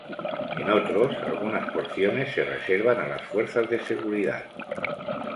En otros, algunas porciones se reservan a las fuerzas de seguridad.